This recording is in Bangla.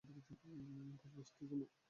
পাঁচ বছরের জন্য?